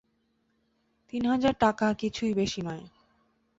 তিন হাজার টাকা কিছুই বেশি নয় ।